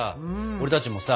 俺たちもさ